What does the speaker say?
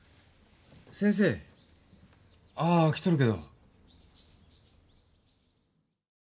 先生？ああ来とるけど？